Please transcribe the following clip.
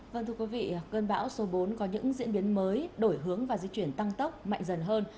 vâng thưa quý vị cơn bão số bốn có những diễn biến mới đổi hướng và di chuyển tăng tốc mạnh dần hơn